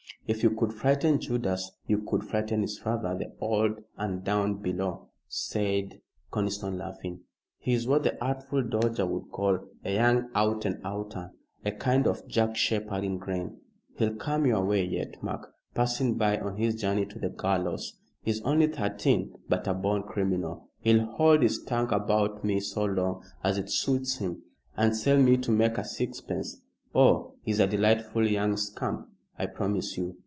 "If you could frighten Judas you could frighten his father, the Old 'Un down below," said Conniston, laughing. "He's what the Artful Dodger would call a young Out and Outer; a kind of Jack Sheppard in grain. He'll come your way yet, Mark, passing by on his journey to the gallows. He's only thirteen, but a born criminal. He'll hold his tongue about me so long as it suits him, and sell me to make a sixpence. Oh, he's a delightful young scamp, I promise you!"